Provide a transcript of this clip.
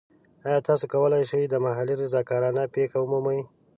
ایا تاسو کولی شئ د محلي رضاکارانه پیښه ومومئ؟